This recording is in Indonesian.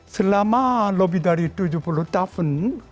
selama lebih dari tujuh puluh tahun